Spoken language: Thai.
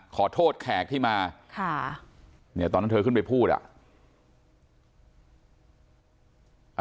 ขอโทษแขกที่มาค่ะเนี่ยตอนนั้นเธอกึ่งไปพูดอะ